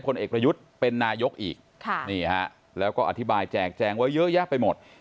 พลเอกประยุทธ์เป็นนายกอีกแล้วก็อธิบายแจกแจงว่าเยอะแยะไปหมด